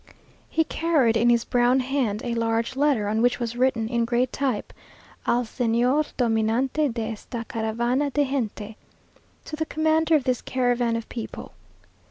He carried in his brown hand a large letter, on which was written in great type; "Al Señor dominante de esta caravana de gente." "To the Commander of this caravan of people!"